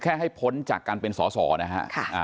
ให้พ้นจากการเป็นสอสอนะฮะ